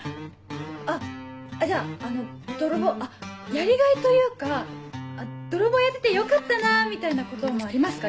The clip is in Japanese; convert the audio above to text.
あっじゃああの泥棒あっやりがいというか泥棒やっててよかったなみたいなこともありますか？